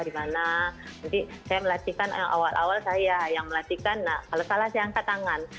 dimana nanti saya melatihkan awal awal saya yang melatihkan kalau salah saya angkat tangan